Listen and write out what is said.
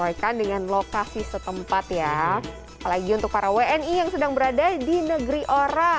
alhamdulillah baik selamat sore waktu texas amerika